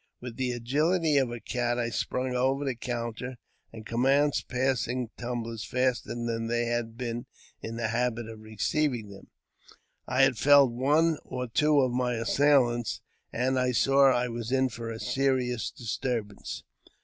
With the agiUty of a cat I sprung over the counter, and commenced passing tumblers faster than they had been in the habit of receiving them. I had felled one or two of my assailants, and I saw I was in for a serious disturbance.